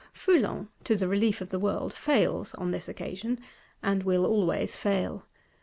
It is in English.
Foulon, to the relief of the world, fails on this occasion; and will always fail.